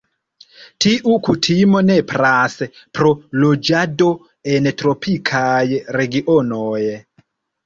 Tiu kutimo nepras pro loĝado en tropikaj regionoj.